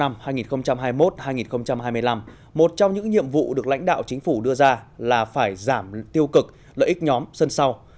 một trong những nhiệm vụ được lãnh đạo chính phủ đưa ra là phải giảm tiêu cực lợi ích nhóm sân sau